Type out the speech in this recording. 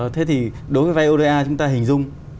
thế thì đối với vay oda chúng ta hình dung